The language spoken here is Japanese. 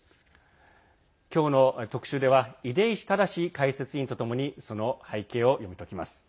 今日の特集では出石直解説委員とともにその背景を読み解きます。